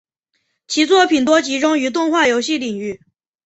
其作品多集中于动画游戏领域。